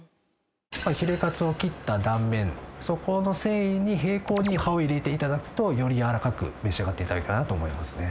ヒレかつを切った断面そこの繊維に平行に歯を入れて頂くとよりやわらかく召し上がって頂けるかなと思いますね。